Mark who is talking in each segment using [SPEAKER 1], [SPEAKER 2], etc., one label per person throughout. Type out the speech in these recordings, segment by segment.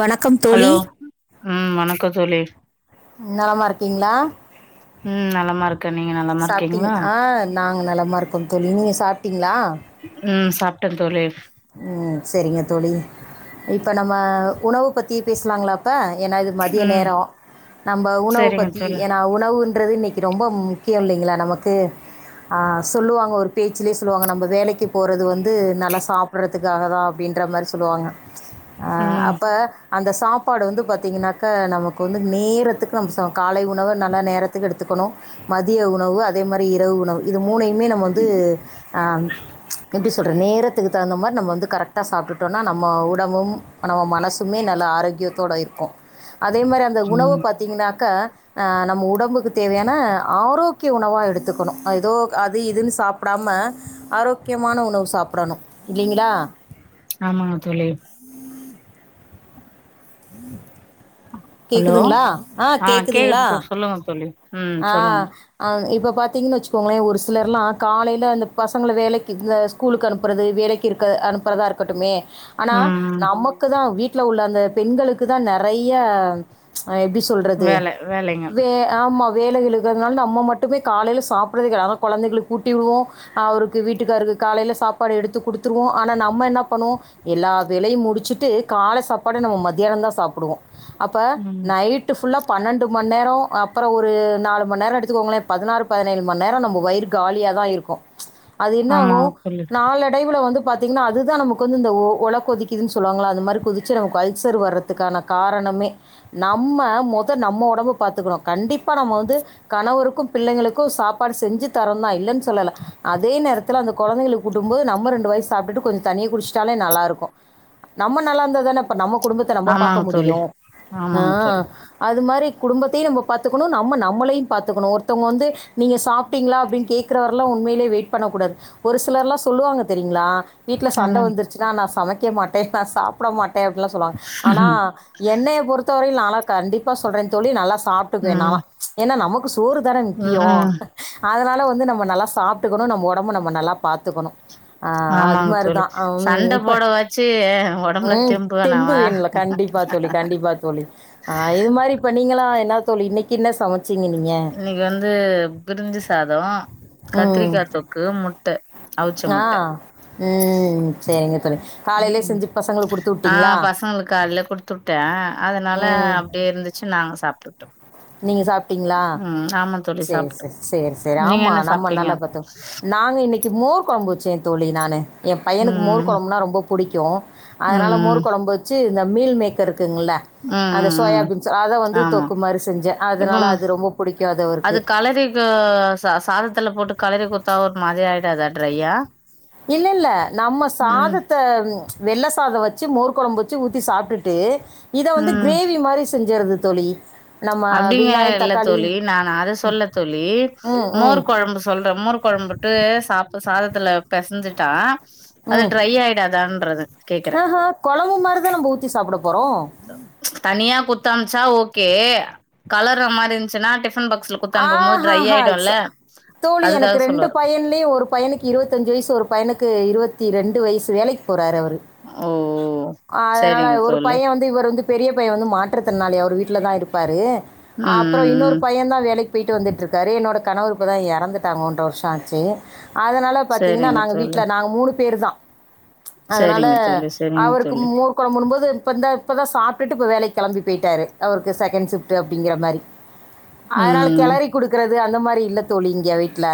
[SPEAKER 1] வணக்கம்
[SPEAKER 2] ஹலோ
[SPEAKER 1] தோழி
[SPEAKER 2] ம் வணக்க தோழி
[SPEAKER 1] நலமா இருக்கீங்ளா
[SPEAKER 2] ம் நலமா இருக்
[SPEAKER 1] சாப்ட்டீங் ஆ நாங்க நலமா இருக்கோம் தோழி நீங்க சாப்ட்டீங்ளா
[SPEAKER 2] ம் சாப்ட்டே தோழி
[SPEAKER 1] ம் செரிங்க தோழி இப்ப நம்ம உணவு பத்தி பேசலாங்ளா அ ஏனா இது மதிய
[SPEAKER 2] ம்
[SPEAKER 1] நேர நம்ப உணவு
[SPEAKER 2] சரிங்க
[SPEAKER 1] பத்தி
[SPEAKER 2] தோழி
[SPEAKER 1] ஏனா உணவுன் ன்றது இன்னைக்கு ரொம்ப முக்கிய இல்லைங்ளா நமக்கு ஆ சொல்லுவாங்க ஒரு பேச்சுலே சொல்லுவாங்க நம்ப வேலைக்கு போறது வந்து நல்லா சாப் புட்றத்துக்காக தா அப்டின்ற மாரி சொல்லுவாங்க ஆ
[SPEAKER 2] ம்
[SPEAKER 1] அப்ப அந்த சாப்பாடு வந்து பாத்தீங்கனாக்கா நமக்கு வந்து நேரத்துக்கு நம்ம சா காலை உணவ நல்லா நேரத்துக்கு எடுத்துக் கணு மதிய உணவு அதே மாரி இரவு உணவு இது மூணயுமே நம்ம வந்து ஆ எப்டி சொல்றே நேரத் தகுந்த மாரி நம்ம வந்து கரெக்டா சாப்ட்டுட்டோனா நம்ம உடம்பும் நம்ம மனசுமே நல்ல ஆரோக்கியத்தோட இருக்கு அதேமாரி அந்த உணவ
[SPEAKER 2] ம்
[SPEAKER 1] பாத்திங்கனாக்கா ஆ நம்ம உடம்புக்கு தேவையான ஆரோக்கிய உணவா எடுத்துக்கணு அ எதோ அது இதுன்னு சாப்டா டாம ஆரோக்கியமான உணவு சாப்டணு இல்லைங்களா
[SPEAKER 2] ஆமாங்க தோழி
[SPEAKER 1] உம் [unintelligible]
[SPEAKER 2] ஹலோ
[SPEAKER 1] கேக்குதுங்களா ஆஹ்
[SPEAKER 2] ஆ கேக்குது
[SPEAKER 1] கேக்குதுங்களா
[SPEAKER 2] தோ சொல்லுங்க தோழி ம் சொல்லுங்க
[SPEAKER 1] ஆஹ் அ இப்பப் பாத்தீங்கனு வச்சுக்கோங்களே ஒரு சிலர்ல்லா காலையில அந்த பசங்கள வேலைக்கு இல்ல ஸ்கூலுக்கு அனுப்புறது வேலைக்கு இருக்க அனுப்புறதா இருக்கட்டுமே ஆனா
[SPEAKER 2] ம்
[SPEAKER 1] நமக்குதா வீட்டுல உள்ள அந்த பெண்களுக்கு தா நெறைய எப்டி சொல்றது
[SPEAKER 2] வேல வேலைங்க
[SPEAKER 1] வே ஆமா வேலைகள் இருகிறதுனால நம்ம மட்டுமே காலையில சாப்டுறத கெட ஆனா கொழந்தைளுக்கு கூட்டி விடுவோ அவருக்கு வீட்டுக்காருக்கு காலையையில சாப்டு எடுத்து குடுத்துருவோ ஆனா நம்ம என்ன பண்ணோ எல்லா வேலையு முடிச்சுட்டு கால சாப்பாட் [unintelligible] நம்ம மத்தியானம் தா சாப்டுவோ அப்ப
[SPEAKER 2] ம்
[SPEAKER 1] நைட் ஃபுல்லா பன்னெண்டு மணி நேரோ அப்றோ ஒரு நாலு மணி நேரோ எடுத்துக்கோங்களே பதினாறு பதினேழு மணி நேரோ நம்ம வயிரு காலியா தா இருக்கு அது என்னாகு
[SPEAKER 2] ஆமாங்க தோழி
[SPEAKER 1] நாளடைவுல வந்துப் பாத்தீங்கனா அதுதா நமக்கு வந்து இந்த ஒல கொதிக்கிதுன்னு சொல்லுவாங்களா அந்த மாரி கொதிச்சு நமக்கு அல்சர் வர்றதுக்கான காரணமே நம்ம மொத நம்ம உடம்ப பாத்துக்கணோ கண்டிப்பா நம்ம வந்து கணவருக்கு பிள்ளைங்களுக்கு சு சாப்பாடு செஞ்சு தரோந்தா இல்லைனு சொல்லல அதே நேரத்துல அந்த கொழந்தைகளுக்கு ஊட்டு ம்போது நம்ம ரெண்டு வாய் சாப்டுட்டு கொஞ்சோ தண்ணிய குடிச்சிட்டாலே நல்லா இருக்கு நம்ம நல்லா இருந்தா தாநே இப்ப நம்மக் குடும்பத்த நம்ப பாக்க
[SPEAKER 2] ஆமாங்க தோழி
[SPEAKER 1] முடியு ஆ
[SPEAKER 2] ஆமாங்க தோழி
[SPEAKER 1] அது மாரித் குடும்பத்தையு நம்ம பாத்துக்கணு நம்ம நம்மளையு பாத்துக்கணு ஒருத்தவங்க வந்து நீங்க சாப்டீங்களா அப்டினு கேக்றவர்லு உண்மையிலே வெயிட் பண்ணக் கூடாது ஒரு சிலர்ல்லா சொல்லுவாங்க தெரியுங்ளா வீட்ல சண்ட
[SPEAKER 2] ஆமா
[SPEAKER 1] வந்துருச்சுன்னா நா சமைக்க மாட்டே நா சாப்ட மாட்டே அப்டிலா சொல்லுவாங்க ஆனா என்னைய பொறுத்தவரயுலு நாலா கண்டிப்பா சொல்ற தோழி நல்லா சாப்டுக்குவே
[SPEAKER 2] ம்
[SPEAKER 1] நாலா ஏனா நமக் கு சோறு தானே முக்கியோ
[SPEAKER 2] ம்
[SPEAKER 1] அதனால வந்து நம்ம நல்லா சாப்டுக்கணு நம்ம ஒடம்ப நம்ம நல்லா பாத்துக்கணு அ அது
[SPEAKER 2] ஆமாங்க தோழி
[SPEAKER 1] மாரிதா ம்
[SPEAKER 2] சண்ட
[SPEAKER 1] இப்ப
[SPEAKER 2] போட வச்சு ஒடம்புல
[SPEAKER 1] ம் தெம்பு
[SPEAKER 2] வேணாவா
[SPEAKER 1] வேணுல கண்டிப்பா தோழி [unintelligible] கண்டிப்பா தோழி ஆ இது மாரி இப்ப நீங்களா என்ன தோழி இன்னைக்கு என்ன சமச்
[SPEAKER 2] இன்னைக்கு வந்து பிரிஞ்சு சாதோ
[SPEAKER 1] ம்.
[SPEAKER 2] கத்திரிக்கா தொக்கு முட்ட அவிச்ச
[SPEAKER 1] ஆ
[SPEAKER 2] முட்ட
[SPEAKER 1] ம் சேரிங்க தோழி காலைலே செஞ்சு பசங்களுக்கு குடுத்து வுட்டீங்களா
[SPEAKER 2] ங்களுக்கு காலைல குடுத்து விட்ட அதனால
[SPEAKER 1] ம்.
[SPEAKER 2] அப்டியே இருந்துச்சு நாங்க சாப்டுட்டோ
[SPEAKER 1] நீங்க சாப் டிங்ளா
[SPEAKER 2] தோழி
[SPEAKER 1] சேர்
[SPEAKER 2] சாப்ட்டோ
[SPEAKER 1] சேரி சேரி சேரி
[SPEAKER 2] நீங்க
[SPEAKER 1] ஆமா
[SPEAKER 2] என்ன
[SPEAKER 1] நம்ம
[SPEAKER 2] சாப்ட்டீங்க
[SPEAKER 1] நல்லா பாத்தோ நாங்க இன்னைக்கு கு மோர் கொழம்பு வச்சே தோழி நானு எ பையனுக்கு மோர்
[SPEAKER 2] ம்
[SPEAKER 1] கொழம்புனா ரொம்போ புடிக்கு
[SPEAKER 2] ம்
[SPEAKER 1] அதனால
[SPEAKER 2] ம்
[SPEAKER 1] மோர் கொழம்பு வச்சு இந்த மீல் மேக்கர் இருக்குங்கல்ல
[SPEAKER 2] ம்
[SPEAKER 1] அந்த சோயாபீன்ஸ் அத வந்து தொக்கு மாரி செ
[SPEAKER 2] க்கும் அது கலரிக்கு சா சாதத்துல போட்டு கல ரிகுத்தா ஒரு மாரி ஆய்டாதா ட்ரையா
[SPEAKER 1] இல்ல இல்ல நம்ம
[SPEAKER 2] ம்
[SPEAKER 1] சாதத்த ச் வெள்ள சாதோ வச்சு மோர் கொழம்பு வச்சு ஊத்தி சாப்டுட்டு இத வந்து
[SPEAKER 2] ம்
[SPEAKER 1] க்ரேவி மாரி செஞ்சற்து தோழி நம்ம
[SPEAKER 2] அப்டிங்க
[SPEAKER 1] வெங்காயோ
[SPEAKER 2] இல்ல
[SPEAKER 1] தக்காளி
[SPEAKER 2] தோழி நான் அத சொல்ல தோழி
[SPEAKER 1] ம்
[SPEAKER 2] மோர் கொழம்பு சொல்ற மோர் கொழம் புட்டு சாப் சாதத்துல பெசஞ்சிட்டா அது ட்ரை ஆய்டாதான்றது
[SPEAKER 1] அஹா கொழம்பு மாரிதா நம்ப ஊத்தி சாப்ட போ
[SPEAKER 2] தனியா குத்தம்ச்சா ஓகே கலர்ர மாரி இருஞ்சுன்னா டிபன் பாக்
[SPEAKER 1] ஆ ஹா ஹா சா தோழி எனக்கு
[SPEAKER 2] அதுக்காக
[SPEAKER 1] ரெண்டு
[SPEAKER 2] சொல்லுவாரு
[SPEAKER 1] பையன்லயு ஒரு பையனுக்கு இருவத்தஞ்சு வயசு ஒரு பையனுக்கு இருவத் தி ரெண்டு வயசு வேலைக்கு போறாரு அவரு
[SPEAKER 2] ஓ
[SPEAKER 1] அதனால
[SPEAKER 2] சரிங்க
[SPEAKER 1] ஒரு
[SPEAKER 2] தோழி
[SPEAKER 1] பைய வந்து இவர் வந்து பெரிய பைய வந்து மாற் றுதிறனாலி அவர் வீட்ல தா இருப்பாரு
[SPEAKER 2] ம்
[SPEAKER 1] அப்றோ
[SPEAKER 2] ம்
[SPEAKER 1] இன்னொரு
[SPEAKER 2] ம்
[SPEAKER 1] பையந் தா வேலைக் கு பொய்ட்டு வந்துட்டு இருக்காரு என்னோட கணவர் இப்ப தா எறந்துட்டாங்க ஒன்ற வருஷோ ஆச்சு அதனால‌ பாத்தீங்கனா
[SPEAKER 2] சரிங்க
[SPEAKER 1] நாங்க
[SPEAKER 2] தோழி
[SPEAKER 1] வீட்ல நாங்க மூணு பேரு தா அதனால
[SPEAKER 2] சரிங்க தோழி சரிங்க
[SPEAKER 1] அவருக்கு
[SPEAKER 2] தோழி
[SPEAKER 1] மோர் கொழம்புன்னு போது இப்ப இந்தா இப்போ தா சாப்டுட்டு இப்போ வேலைக்கி கெளம்பி பேய்ட்டாரு அவருக்கு செகண்ட் ஷிஃப்ட்டு அப்டிங்கிறமாரி
[SPEAKER 2] ம்
[SPEAKER 1] குடுக்கறது அந்த மாரி இல்ல தோழி இங்க வீட்ல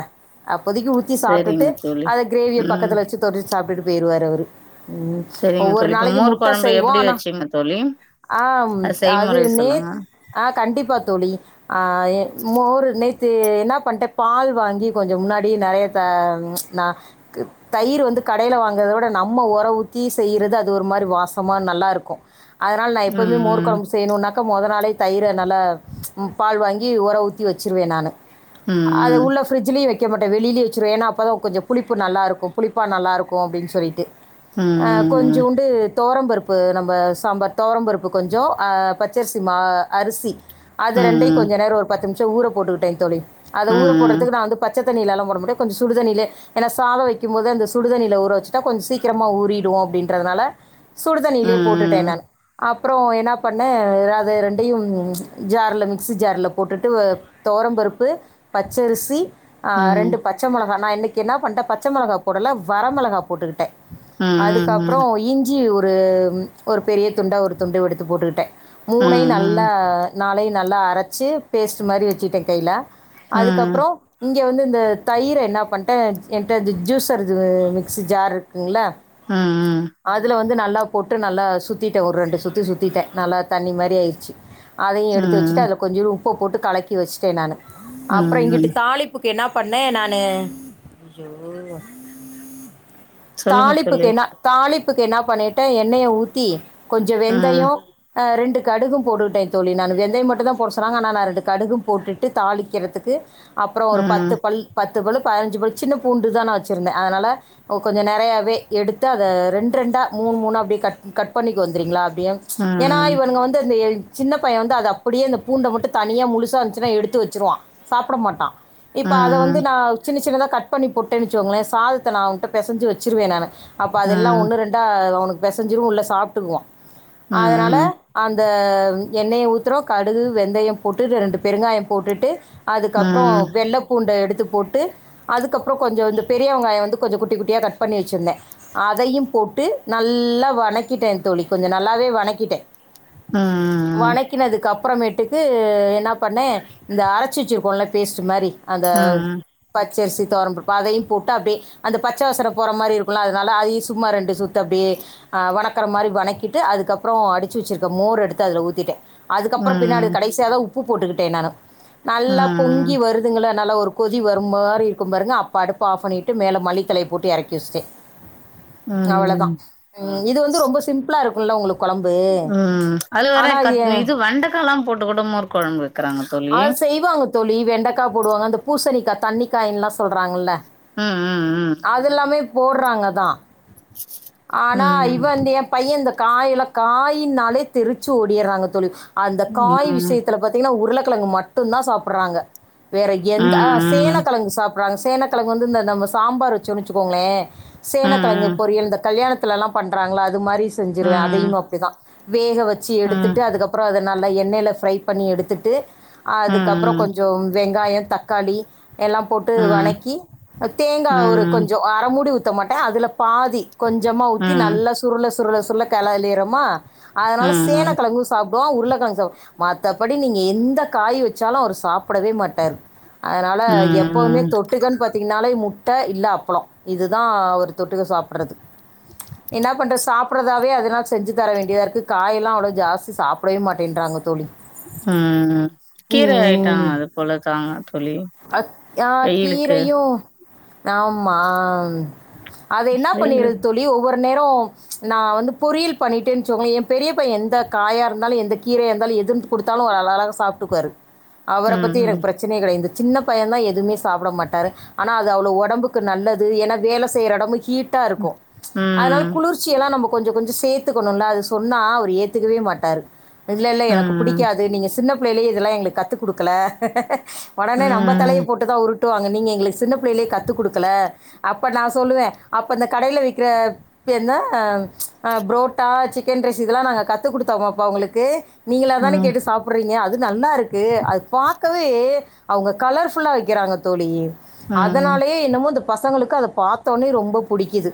[SPEAKER 1] அப்போதைக்கு ஊத்தி சாப்டுட்டு
[SPEAKER 2] சரிங்க தோழி
[SPEAKER 1] அத க்ரேவிய
[SPEAKER 2] ம்
[SPEAKER 1] பக்கத்துல வச்சி தொட்டுச் சாப்ட்டுட்டு போய்ருவாரு அவரு ம்
[SPEAKER 2] சரிங்க
[SPEAKER 1] ஒவ்வொரு
[SPEAKER 2] தோழி இப்ப
[SPEAKER 1] நாளைக்கு
[SPEAKER 2] மோர்
[SPEAKER 1] முட்ட
[SPEAKER 2] கொழம்பு
[SPEAKER 1] செய்வோ
[SPEAKER 2] எப்டி
[SPEAKER 1] ஆனா
[SPEAKER 2] வச்சீங்க தோழி
[SPEAKER 1] ஆம் அது
[SPEAKER 2] செய்முறை சொல்லுங்க
[SPEAKER 1] நேத் அ கண்டிப்பா தோழி அ எ மோரு நே நேத்து என்ன பண்ட்ட பால் வாங்கி கொஞ்சோ முன்னாடி நெறைய த நா தயிரு வந்து கடைல வாங்கறத விட நம்ம ஒர ஊத்தி செய்றது அது ஒரு மாரி வாசமா நல்லாருக்கு அதனால நா எப்போவுமே மோர்
[SPEAKER 2] ம்
[SPEAKER 1] கொழம்பு செய்யணுன்னாக்கா மொத நாளே தயிர நல்ல பால் வாங்கி ஒர ஊத் தி வெச்சிருவே நானு அத
[SPEAKER 2] ம்
[SPEAKER 1] உள்ள ஃபிரிட்ஜ்லயு வெக் கமாட்ட வெளிலியே வெச்சிருவ ஏனா அப்பதா கொஞ்சோ புளிப்பு நல்லாருக்கு புளிப்பா நல்லாருக்கு அப்டின் சொல்லிட்டு அ
[SPEAKER 2] ம்
[SPEAKER 1] கொஞ்சோண்டு தோரம்பருப்பு நம்ப சாம்பார் தோரம்பருப்பு கொஞ்சோ அ பச்சரிசி மா அரிசி அது
[SPEAKER 2] ம்
[SPEAKER 1] ரெண்டையு
[SPEAKER 2] ம்
[SPEAKER 1] கொஞ்ச நேரோ ஒரு பத்து நிமிஷோ ஊற போட்டுக்கிட்ட தோழி அத ஊர
[SPEAKER 2] ம்
[SPEAKER 1] போடுறதுக்கு நா வந்து பச்ச தண்ணிலலா போடமாட்ட கொஞ்சோ சுடு தண்ணிலே ஏன்னா சாதோ வெக்கும் போதே அந்த சுடு தண்ணில ஊற வெச்சிட்டா கொஞ்சோ சீக்கிரமா ஊறிடுவோ அப்டின்றதுனால சுடுதண்ணியிலே போட்டுட்டே
[SPEAKER 2] ம்
[SPEAKER 1] நானு அப் புறோ என்ன பண்ண அது ரெண்டையு ஜாருல மிக்ஸி ஜாருல போ போட்டுட்டு தோரம்பருப்பு பச்சரிசி அ
[SPEAKER 2] ம் ம்
[SPEAKER 1] ரெண்டு பச்ச மொளகா நா என்னிக் என்னா பன்ட பச்ச மொளகா போடல வரமொளகா போட்டுக்குட்ட
[SPEAKER 2] ம் ம் ம்
[SPEAKER 1] அதுக்கப்புறோ இஞ்சி ஒர் ரு ஒரு பெரிய துண்டா ஒரு துண்டு எடுத்து போட்டுக்கிட்டே
[SPEAKER 2] ம் ம்
[SPEAKER 1] மூனையு
[SPEAKER 2] ம்
[SPEAKER 1] நல்லா நலய நல்லா அரச்சு பேஸ்ட்டு மாரி வெச்சிட்டே கைல
[SPEAKER 2] ம் ம்
[SPEAKER 1] அதுக்கப்புறோ இ இங்க வந்து இந்த தயிர என்ன பண்ட்ட என்ட்ட இது ஜூஸர் இது மிக்சி ஜார் இருக்குங்கல்ல
[SPEAKER 2] ம்,
[SPEAKER 1] அதுல வ து நல்லா போட்டு நல்லா சுத்திட்டே ஒரு ரெண்டு சுத்தி சுத்திட்டே நல்லா தண்ணி மாதிரி ஆய்ர்ச்சு அதயு
[SPEAKER 2] ம்,
[SPEAKER 1] எடுத்து வெச்சுட்டு
[SPEAKER 2] ம்,
[SPEAKER 1] அதுல கொஞ்சுடு உப்ப போட்டு கலக்கி வெஷ்ட்டே நானு அப்புற
[SPEAKER 2] ம்,
[SPEAKER 1] இங்கிட்டு
[SPEAKER 2] ம்.
[SPEAKER 1] தாளிப்புக் என்னா பண்ணே நானு அய்யோ
[SPEAKER 2] சொல்லுங்க
[SPEAKER 1] தாளிப்புக்கு
[SPEAKER 2] தோழி.
[SPEAKER 1] எனா தாளிப்புக்கு என்ணா பண்ணிட்டே எண்ணெய ஊத்தி கொஞ்ச
[SPEAKER 2] ம்,
[SPEAKER 1] வெந்தயோ ஆ ரெண்டு கடுகும் போட்டுட்டே தோழி நானு வெந்தயம் மட்டுந்தா போட சொன்னாங்க நா நா ரெண்டு கடுகு போட்டுட்டு தாளிக்கிறதுக்கு அப்புறோ ஒரு பத்து
[SPEAKER 2] ம்,
[SPEAKER 1] பல் பத் த்து போல பதனஞ்சு பழுத் சின்ன பூண்டுதா நா வெச்சிருந்தே அதனால கொ கொஞ்சோ நெறயவே எடுத்து அத ரெண்ட் ரெண் ட்டா மூணு மூணா அப்படி கட் கட் பண்ணி வந்திரிங்களா ஏ ஏனா
[SPEAKER 2] ம்,
[SPEAKER 1] இவனுக வந்து அந்த சின்ன பையன் வந்து அத அப்படியா அந்த பூண்ட மட்டும் தனியா முழுசா இருந்துச்சுா எடுத்து வச்சிருவான் சாப்பிட மாட்டான் இப்ப அத வந்து
[SPEAKER 2] ம்,
[SPEAKER 1] நான் சின்ன சின்னதா கட் பண்ணி போட்டன் வச்சுங்களேன் சாதத்த நான்ங்கள்டிட்ட பெசஞ்சு வச்சுருவேன் நான் அப்போ
[SPEAKER 2] ம்,
[SPEAKER 1] அதெல்லாம்
[SPEAKER 2] ம்,
[SPEAKER 1] ஒன்னு ரெண்டா அவனு பெசஞ்சரும் உள்ள சாப்பிட்டுருவோம்
[SPEAKER 2] ம், ம்,
[SPEAKER 1] அதனால அந்த எண்ணெய ஊத்துறோ கடுகு வெந்தயம் போட்டு ரெண்டு பெருங்காயம் போட்டுட்டு அதுக்கப்புறம் வெள்ள பூண்ட எடுத்து போட்டு அதுக்கப்புறம் கொஞ்சம் பெரிய வெங்காயம் வந்து கொஞ்சம் குட்டி குட்டியா கட் பண்ணி வச்சிருந்தேன் அதையும் போட் கூட்டு நல்லா வனக்கிட்டேன் தோழி கொஞ்சம் நல்லாவே வனக்கிட்டேன்
[SPEAKER 2] ஆஹ் ஆஹ் ஆஹ்
[SPEAKER 1] அப்புறமேட்டுக்கு என்ன பண்ணே இந்த அரச்சி வச்சிருக்கோல பேஸ்ட்டு மாதிரி அதாவ் ப பச்சரிசி துவரம்பருப்பு அதையும் போட்டு அப்டியே அந்த பச்ச வாசன போற மாதிரி இருக்கும்லா அதனால அதையும் சும்மா ரெண்டு சுத்து அப்படியே ஹ் வணக்கனகுற மாதிரி வணக்கிட்டு அதுக்கப்புறம் அடிச்சு வச்சிருக்க மோர் எடுத்து அதுல ஊத்திட்டேன் அதுக்கப்புற பின்னாடி
[SPEAKER 2] ம்,
[SPEAKER 1] கடைசியா தா உப்பு போட்டுக்கிட்டே நானு நல்லா பொங்கி வருதுங்கள நல்லா ஒரு கொதி வரும் மாதிரி இருக்கும் பாருங்க அப்போ அடுப்பு ஆஃப் பண்ணிட்டு மேலே மல்லித்தழய போட்டு இறக்கி வச்சுட்டேன்
[SPEAKER 2] ம்,
[SPEAKER 1] அவ்ளோதான்
[SPEAKER 2] ம்.
[SPEAKER 1] உம் இது வந்து ரொம்ப சிம்பிளா இருக்கும்ல உங்களுக்கு குழம்பு
[SPEAKER 2] உம் உம் அது வேற க இது வெண்டக்கா எல்லாம் போட்டு கூட மோர் குழம்பு இருக்கறாங்க தோழி
[SPEAKER 1] அது செய்வாங்க தோழி வெண்டக்கா போடுவாங்க அந்த பூசணிக்கா தண்ணிக்காய் எல்லா சொல்றாங்கல்ல
[SPEAKER 2] அஹ் ஹம் ஹம்
[SPEAKER 1] போடுறாங்க தான் ஆனா
[SPEAKER 2] ம்,
[SPEAKER 1] இவந்து என் பையன்ந்த காயல காயினாலே தெறிச்சு ஓடிறாங்க தோழி அந்த
[SPEAKER 2] ம்,
[SPEAKER 1] காய் விஷயத்துல பாத்தீங்கன்னா உருள உருளகிழங்கு மட்டும் தான் சாப்பிடுறாங்க வேற எந்த அ ஆ
[SPEAKER 2] ம்,
[SPEAKER 1] சேனக்கிழங்கு சாப்புடுறாங்க சேன கழங்கு வந்து இந்த நம்ம சாம்பார் வச்சோம்ன்னு வச்சுக்கோங்கள
[SPEAKER 2] ம்,
[SPEAKER 1] சேனக்கிழங்கு
[SPEAKER 2] ம்,
[SPEAKER 1] பொரியல் இந்த கல்யாணத் த்ல்லா பண்றாங்களா அது மாரி செஞ்சிருவே அதையு
[SPEAKER 2] ம்,
[SPEAKER 1] அப்டிதா வேக வச்சு
[SPEAKER 2] ம், ம்,
[SPEAKER 1] எடுத்துட்டு அதுக்கப்புற அத நல்லா எண்ணெயில ஃப்ரை பண்ணி எடுத்துட்டு
[SPEAKER 2] ம்,
[SPEAKER 1] அதுக்கப்புறம்
[SPEAKER 2] ம்,
[SPEAKER 1] கொஞ்சம் வெங்காயம் தக்காளி எல்லாம் போட்டு
[SPEAKER 2] ம், ம்,
[SPEAKER 1] வணக்கி தேங்காய் ஒரு கொஞ்சம் அரைமூடி ஊத்த மாட்டேன் அதுல பாதி கொஞ்சமா
[SPEAKER 2] ம், ம்,
[SPEAKER 1] ஊத்தி நல்ல சுருள சுருள சுருள கிளறிருவோமா அதனால
[SPEAKER 2] ம்,
[SPEAKER 1] சேனக்கிழங்கு சாப்பிடுவ உருளை மத்தபடி நீங்க எந்த காய் வச்சாலும் அவரு சாப்பிடவே மாட்டாரு அதனால
[SPEAKER 2] ம், ம்,
[SPEAKER 1] எப்பவுமே தொட்டுக்கன்னு பாத் ங்கனாலே முட்டை இல்ல அப்பளம் இது தான் அவரு தொட்டுக்க சாப்பிட்றது என்ன பண்ற சா ப்புறதவே அதனால் செஞ்சு தர வேண்டியதாக இருக்கு காயெல்லாம் அவ்ளோ ஜாஸ்தி சாப்பிடவே மாட்டேன்றாங்க தோழி
[SPEAKER 2] அ கீரை ஆயிட்டோ
[SPEAKER 1] ம்
[SPEAKER 2] அது போல தாங்க தோழி வெயிலுக்கு
[SPEAKER 1] ஆமா அதே என்ன பண்ணிருது
[SPEAKER 2] வெயிலுக்கு
[SPEAKER 1] தோழி ஒவ்வொரு நேரோ நா வந்து பொறியல் பண்ணிட்டே சொன்னா எ பெரிய பைய எந்த காயாருந்தாலு எந்த கீரையாருந்தாலு எதும் கொடுத்தாலு அழகாக சாப்ட்டுக்குவாரு அவர
[SPEAKER 2] ம்,
[SPEAKER 1] பத்தி எனக்கு
[SPEAKER 2] ம்.
[SPEAKER 1] பிரச்சனைையோ‌ கெடையாது இந்த சின்ன பையன் தா எதுவுமே சாப்ட மாட்டாரு ஆனா அது அவ்ளோ ஒடம்புக்கு நல்லது ஏன்னா வேல செய்ற எடமு ஹீட்டாருக்கு அதனால
[SPEAKER 2] ம்,
[SPEAKER 1] குளிர்ச்சியெல்லா நம்போ கொஞ்சோ கொஞ்சோ சேர்த்துக்கணுல்ல அது சொன்னா அவரு ஏத்துக்கவே மாட்டாரு இல்ல இல்ல எனக்கு
[SPEAKER 2] ம்,
[SPEAKER 1] புடிக்காது நீங்க சின்ன புள்ளையிலேயே இதெல்லா எங்களுக்கு கத்துக் குடுக்கல ஒடனே நம்ப தலைய
[SPEAKER 2] ம்,
[SPEAKER 1] போட்டு தா உருட் டுவாங்க நீங்க எங்களுக்கு சின்ன பிள்ளைையிலேயே கத்து குடுக்கல அப்ப நா சொல்லுவ அப்ப இந்த கடைல விக்கிற இப்ப என்ன அ புரோட்டா சிக்கன் ரைஸ் இதெல்லா நாங்க கத்து குடுத்தோமாப்பா உங்களுக்கு நீங்களா தானே
[SPEAKER 2] ம்,
[SPEAKER 1] கேட்டு சாப்புடுறீங்க அது நல்லாருக்கு அது பாக்கவே அவுங்க கலர்ஃபுல்லா விக்கிறாங்க தோழி
[SPEAKER 2] ம்.
[SPEAKER 1] அதனாலயே என்னமோ இந்தப் பசங்களுக்கு அத பாத்தோனே ரொம்ப புடிக்குது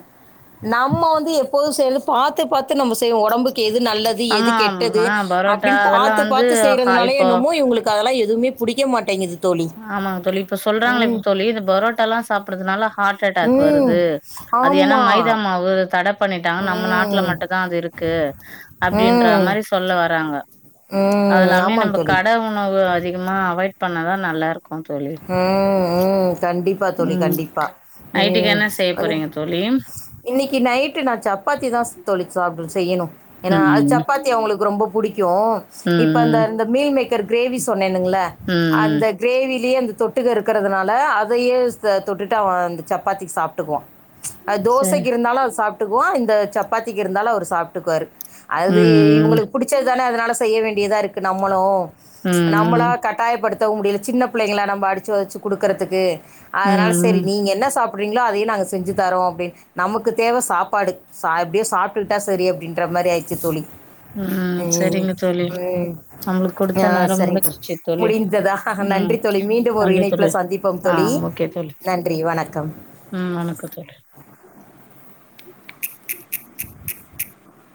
[SPEAKER 1] நம்ம வந்து எப்போது சேர் பாத்து பாத் து நம்ம செய்வோ ஒடம்புக்கு எது நல்லது எது
[SPEAKER 2] ஆமா
[SPEAKER 1] கெட்டது
[SPEAKER 2] ஆ பரோட்டா
[SPEAKER 1] அப்டின்
[SPEAKER 2] அதெல்லாம்
[SPEAKER 1] பாத்து
[SPEAKER 2] வந்து
[SPEAKER 1] பாத்து
[SPEAKER 2] ஹா
[SPEAKER 1] செய்யறதுனால் லே
[SPEAKER 2] இப்போ
[SPEAKER 1] என்னமோ இவங்களுக்கு அதெல்லா எதுவுமே புடிக்கவே மாட்டேங்குது தோழி.
[SPEAKER 2] ஆமாங்க தோழி இப்ப சொல்றாங்களே
[SPEAKER 1] ம்.
[SPEAKER 2] இப்ப தோழி இந்த பரோட்டால்லா சாப்படுறதுனாலா ஹார்ட் அட்டாக்
[SPEAKER 1] ம்.
[SPEAKER 2] வருது அது ஏன்னா
[SPEAKER 1] ஆமா.
[SPEAKER 2] மைதா மாவு தடப் பண்ணிட்டாங்க நம்ம நாட்டுல
[SPEAKER 1] ம்.
[SPEAKER 2] மட்டு தா அது இருக்கு அப்டின்ற
[SPEAKER 1] ம்.
[SPEAKER 2] மாரி சொல்ல வராங்க
[SPEAKER 1] ம்.
[SPEAKER 2] அதுல்லாமே
[SPEAKER 1] ஆமா
[SPEAKER 2] நம்ப
[SPEAKER 1] தோழி.
[SPEAKER 2] கட உணவு அதிகமா அவாய்ட் பண்ணாதா நல்லாருக்
[SPEAKER 1] ம் ம் கண்டிப்பா தோழி
[SPEAKER 2] ம்
[SPEAKER 1] கண்டிப்பா
[SPEAKER 2] நைட்டுக்கு
[SPEAKER 1] ம்
[SPEAKER 2] என்ன செய்ய
[SPEAKER 1] அய்யோ
[SPEAKER 2] போறீங்க தோழி?
[SPEAKER 1] இன்னிக்கு நைட்டு நா சப்பாத்தி தா தோழி சா அவுங்களுக்கு செய்யணு ஏன்னா அது
[SPEAKER 2] ம்.
[SPEAKER 1] சப்பாத்தி அவுங்களுக்கு ரொம்பப் புடிக்கு இப்ப அந்த
[SPEAKER 2] ம்.
[SPEAKER 1] அந்த மீல் மேக்கர் கிரேவி சொன்னேனுங்கள
[SPEAKER 2] ம்.
[SPEAKER 1] அந்த கிரேவிலியே அந்த தொட்டுக்க இருக்கறதுனால அதையே தொட்டுட்டு அவ அந்த சப்பாத்திக்கு சாப்ட்டுக்குவா அத்
[SPEAKER 2] சரி.
[SPEAKER 1] தோசைக்கு இருந்தாலு அது சாப்ட்டுக்குவா இந்த சப்பாத்திக்கு இருந்தாலு அவரு சாப்ட்டுக்குவாரு அது
[SPEAKER 2] ம்.
[SPEAKER 1] இவங்களுக்கு புடிச்சது தானே அதனால செய்ய வேண்டியதாருக்கு நம்மளு நம்மளா
[SPEAKER 2] ம்.
[SPEAKER 1] கட்டாயப்படுத்தவு முடில சின்ன பிள்ளைங்களா நம்ம அடிச்சி ஒதச்சி குடுக்கறதுக்கு அதனால செரி
[SPEAKER 2] ம்.
[SPEAKER 1] நீங்க என்ன சாப் அப்டிங்ளா அதே நாங்க செஞ்சு தரோம் அப்டின் நமக்குத் தேவ சாப்பாடு எப்டியே சாப்பிட்டுட்டா செரி அப்டின்ற மாரி ஆயிருச்சு தோழி
[SPEAKER 2] ம். சரிங்க தோழி.
[SPEAKER 1] ம் [unintelligible]
[SPEAKER 2] நம்மளுக்கு குடுத்த
[SPEAKER 1] ஞா
[SPEAKER 2] நேரம்
[SPEAKER 1] சரிங்க்கா
[SPEAKER 2] முடிஞ்சிச்சு தோழி.
[SPEAKER 1] முடிந்ததா
[SPEAKER 2] ம்.
[SPEAKER 1] நன்றி தோழி மீண்டு ஒரு
[SPEAKER 2] நன்றி
[SPEAKER 1] இணைப்புல
[SPEAKER 2] தோழி.
[SPEAKER 1] சந்திப்போம்
[SPEAKER 2] ஆ
[SPEAKER 1] தோழி
[SPEAKER 2] ஓகே தோழி.
[SPEAKER 1] நன்றி வணக்கம்
[SPEAKER 2] ம். வணக்கம் தோழி. [unintelligible]